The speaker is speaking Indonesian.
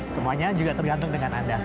semuanya juga tergantung dengan anda